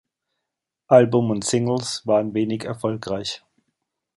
Album und Singles waren wenig erfolgreich.